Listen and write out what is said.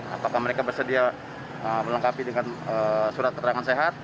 apakah mereka bersedia melengkapi dengan surat keterangan sehat